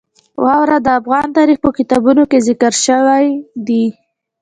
واوره د افغان تاریخ په کتابونو کې ذکر شوی دي.